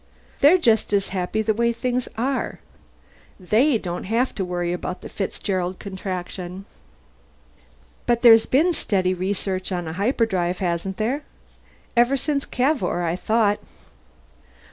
They're just as happy the way things are. They don't have to worry about the Fitzgerald Contraction." "But there's been steady research on a hyperdrive, hasn't there? Ever since Cavour, I thought."